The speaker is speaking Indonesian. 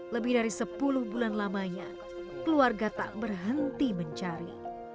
lebih dari sepuluh bulan lamanya keluarga tak berhenti mencari